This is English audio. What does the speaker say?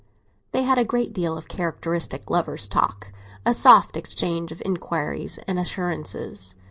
They had a great deal of characteristic lovers' talk—a soft exchange of inquiries and assurances.